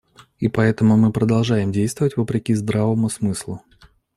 И поэтому мы продолжаем действовать вопреки здравому смыслу.